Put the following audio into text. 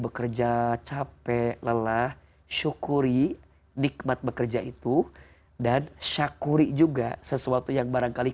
bekerja capek lelah syukuri nikmat bekerja itu dan syakuri juga sesuatu yang barangkali